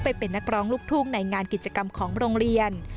ไปเป็นนักร้องลูกทุ่งในงานกิจกรรมของโรงเรียน